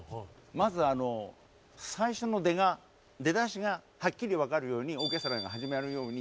まず最初の出が出だしがはっきり分かるようにオーケストラが始められるように。